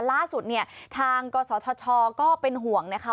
ล่าสุดเนี่ยทางกศธชก็เป็นห่วงนะคะ